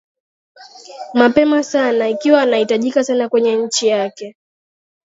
mapema sana ikiwa anahitajika sana Kwenye nchi yake